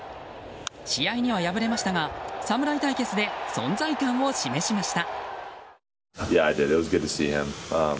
試合には敗れましたが侍対決で存在感を示しました。